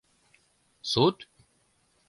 Суд?